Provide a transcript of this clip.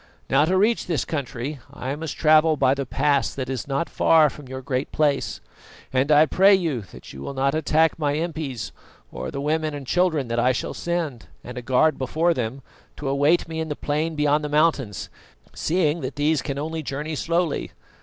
Now, to reach this country, I must travel by the pass that is not far from your Great Place, and I pray you that you will not attack my impis or the women and children that I shall send, and a guard before them, to await me in the plain beyond the mountains, seeing that these can only journey slowly.